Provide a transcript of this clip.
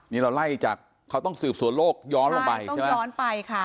นี่เราไล่จากเขาต้องสืบสวนโลกย้อนลงไปใช่ไหมย้อนไปค่ะ